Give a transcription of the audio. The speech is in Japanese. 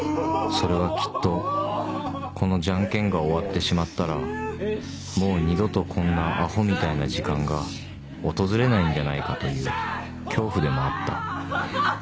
それはきっとこのジャンケンが終わってしまったらもう二度とこんなアホみたいな時間が訪れないんじゃないかという恐怖でもあったアハハ！